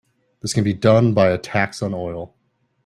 This can be done by a tax on oil.